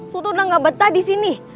sultan udah gak betah disini